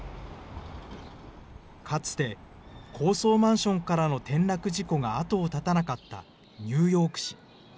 かつて高層マンションからの転落事故が後を絶たなかったニューヨーク市。